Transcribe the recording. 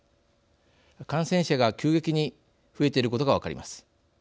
感染者が急激に増えていることが分かります。